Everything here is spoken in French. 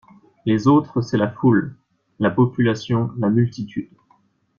Les autres c’est la foule, la population, la multitude.